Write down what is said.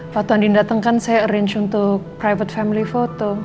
waktu andin datang kan saya arrange untuk private family photo